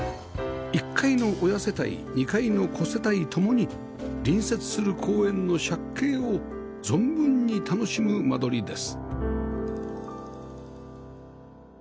１階の親世帯２階の子世帯共に隣接する公園の借景を存分に楽しむ間取りです